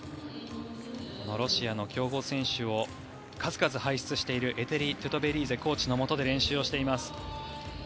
ロシアの強豪選手を数々輩出しているエテリ・トゥトベリーゼのもとで練習をしています。